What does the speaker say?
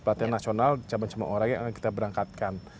pelatih nasional cuman cuman orang yang akan kita berangkatkan